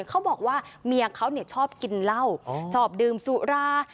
เขาบอกว่าเมียเขาชอบกินเหล้าชอบดื่มสุรา